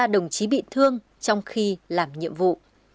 hai trăm sáu mươi ba đồng chí bị thương trong khi làm nhiệm vụ